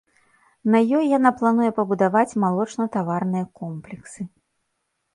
На ёй яна плануе пабудаваць малочна-таварныя комплексы.